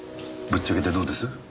ぶっちゃけてどうです？